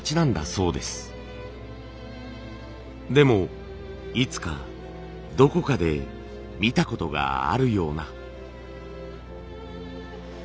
でもいつかどこかで見たことがあるような。